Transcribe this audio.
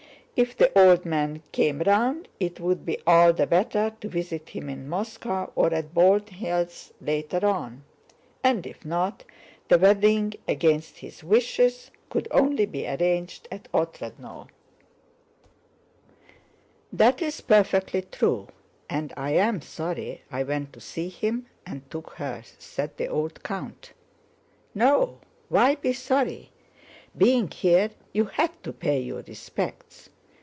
If the old man came round it would be all the better to visit him in Moscow or at Bald Hills later on; and if not, the wedding, against his wishes, could only be arranged at Otrádnoe. "That is perfectly true. And I am sorry I went to see him and took her," said the old count. "No, why be sorry? Being here, you had to pay your respects.